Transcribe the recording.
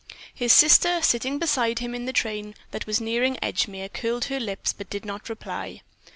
His sister, sitting beside him in the train that was nearing Edgemere, curled her lips but did not reply.